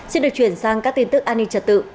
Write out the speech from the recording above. xin được chuyển sang các tin tức an ninh trật tự